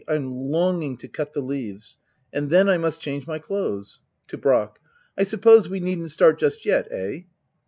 Tm longing to cut the leaves ! And then I must change my clothes. [To Brack.] I suppose we needn't start just yet } Eh